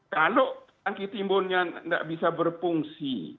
kalau tangki timbunnya tidak bisa berfungsi